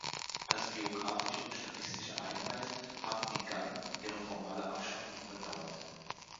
Als geographische und statistische Einheit haben die "Gun" ihre formale Abschaffung überdauert.